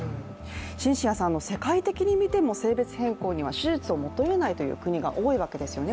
シンシアさん、世界的に見ても性別変更には手術を求めないという国が多いわけですよね。